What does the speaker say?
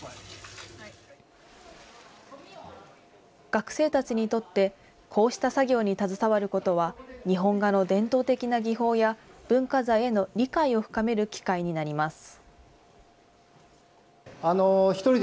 学生たちにとって、こうした作業に携わることは、日本画の伝統的な技法や文化財への理解を深める機会になります。